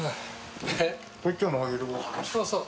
そうそう。